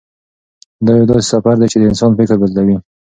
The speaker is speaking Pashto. دا یو داسې سفر دی چې د انسان فکر بدلوي.